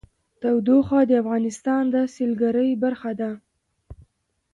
تودوخه د افغانستان د سیلګرۍ برخه ده.